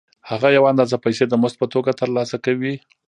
هغه یوه اندازه پیسې د مزد په توګه ترلاسه کوي